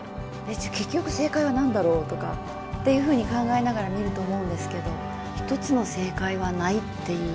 じゃ結局正解は何だろうとかっていうふうに考えながら見ると思うんですけど１つの正解はないっていう。